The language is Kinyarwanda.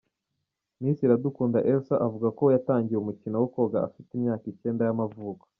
Miss Iradukunda Elsa avuga ko yatangiye umukino wo koga afite imyaka icyenda y’amavuko.